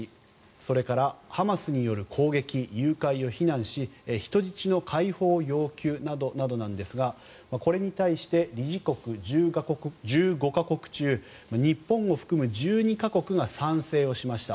それからハマスによる攻撃・誘拐を非難し人質の解放要求などなんですがこれに対して理事国１５か国中日本を含む１２か国が賛成をしました。